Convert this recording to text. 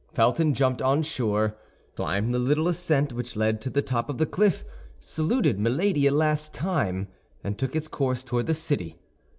Felton jumped onshore, climbed the little ascent which led to the top of the cliff, saluted Milady a last time, and took his course toward the city.